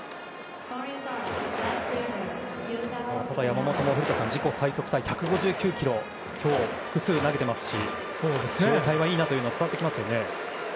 ただ古田さん、山本も自己最速タイの１５９キロを今日、複数投げてますし状態がいいなというのが伝わってきますね。